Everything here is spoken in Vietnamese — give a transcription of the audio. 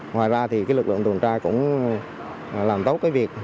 ngoài ra lực lượng tuần tra cũng làm tốt việc